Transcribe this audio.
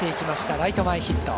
ライト前ヒット。